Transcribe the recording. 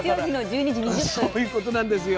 だからそういうことなんですよ。